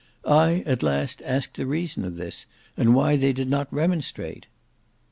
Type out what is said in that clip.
I, at last, asked the reason of this, and why they did not remonstrate?